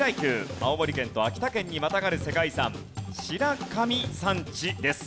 青森県と秋田県にまたがる世界遺産白かみ山地です。